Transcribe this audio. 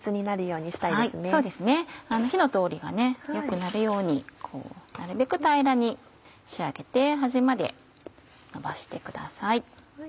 そうですね火の通りが良くなるようになるべく平らに仕上げて端まで伸ばしてください。